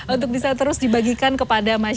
untuk bisa terus dibagikan kepada masyarakat